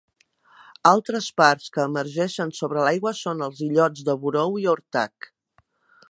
Altres parts que emergeixen sobre l'aigua són els illots de Burhou i Ortac.